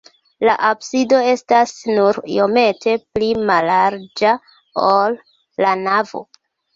La absido estas nur iomete pli mallarĝa, ol la navo.